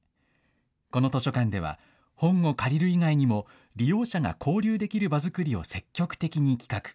この図書館では本を借りる以外にも、利用者が交流できる場作りを積極的に企画。